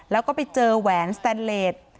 แล้วก็ไปเจอแหวนสแตนเลส